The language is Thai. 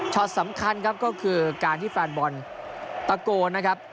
สำคัญครับก็คือการที่แฟนบอลตะโกนนะครับ